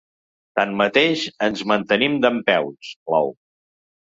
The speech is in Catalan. Tanmateix, ens mantenim dempeus, clou.